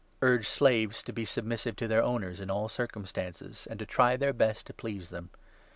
Urge slaves to be submissive to their owners 9 in all circumstances, and to try their best to please them.